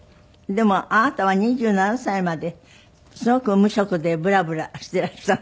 でもあなたは２７歳まですごく無職でブラブラしていらした。